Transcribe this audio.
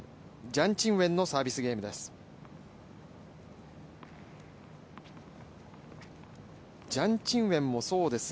ジャン・チンウェンのサービスゲームです。